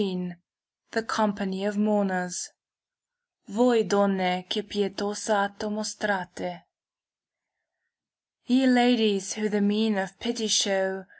^ THE COMPANY OF MOURNERS foif donne, che petoio atto mostrate " Ye ladies, who the mien of pity show.